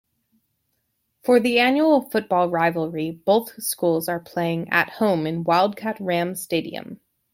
For the annual football rivalry, both schools are playing "at home" in Wildcat-Ram Stadium.